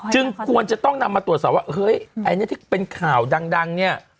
จึงควรต้องนำมาตรวจส่องว่าเฮ้ยแอร์เนี่ยที่เป็นข่าวดังเนี่ย